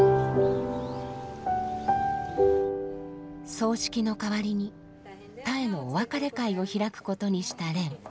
葬式の代わりにたえのお別れ会を開くことにした蓮。